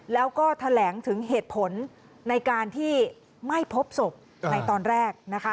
แล้วก็แถลงถึงเหตุผลในการที่ไม่พบศพในตอนแรกนะคะ